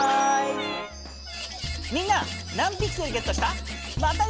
みんな何ピクセルゲットした？